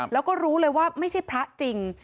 แล้วก็รู้เลยว่าไม่ใช่พระจริง